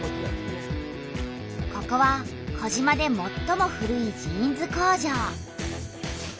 ここは児島でもっとも古いジーンズ工場。